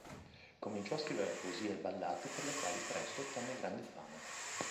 Cominciò a scrivere poesie e ballate per le quali presto ottenne grande fama.